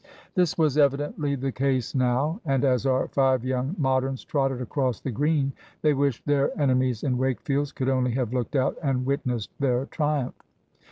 This was evidently the ease now, and as our five young Moderns trotted across the Green, they wished their enemies in Wakefield's could only have looked out and witnessed their triumph.